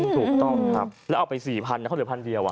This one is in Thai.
ถูกต้องครับแล้วเอาไป๔๐๐นะเขาเหลือพันเดียว